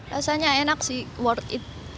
rasanya enak sih worth it